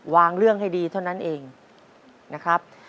เรื่องให้ดีเท่านั้นเองนะครับ